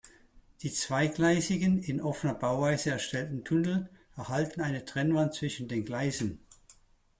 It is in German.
Die zweigleisigen, in offener Bauweise erstellten Tunnel erhalten eine Trennwand zwischen den Gleisen.